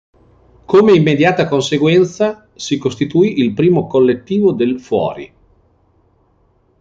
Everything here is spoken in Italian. Come immediata conseguenza, si costituì il primo collettivo del Fuori!